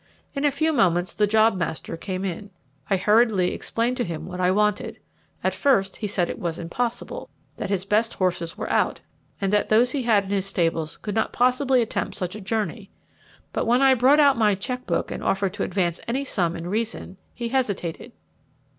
In a few moments the jobmaster came in. I hurriedly explained to him what I wanted. At first he said it was impossible, that his best horses were out, and that those he had in his stables could not possibly attempt such a journey; but when I brought out my cheque book and offered to advance any sum in reason, he hesitated.